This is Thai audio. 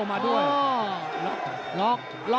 ฝ่ายทั้งเมืองนี้มันตีโต้หรืออีโต้